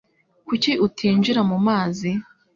Kuki utinjira mu mazi?